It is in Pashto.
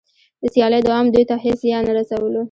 د سیالۍ دوام دوی ته هېڅ زیان نه رسولو